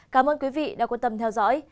cảm ơn quý vị đã quan tâm theo dõi